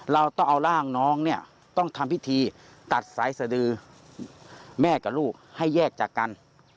เราต้องเอาร่างน้องเนี่ยต้องทำพิธีตัดสายสดือแม่กับลูกให้แยกจากกัน